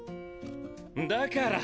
だから！